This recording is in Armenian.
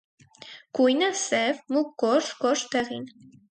Գույնը՝ սև, մուգ գորշ, գորշ դեղին։